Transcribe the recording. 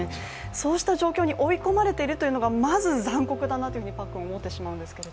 そうした状況に追い込まれていることがまず残酷だなと思ってしまうんですけど。